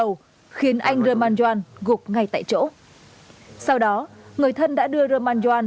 cơ sơ cót bắt đầu khiến anh rơ ma doan gục ngay tại chỗ sau đó người thân đã đưa rơ ma doan